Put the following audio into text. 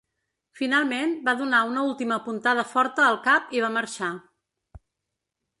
Finalment, va donar una última puntada forta al cap i va marxar.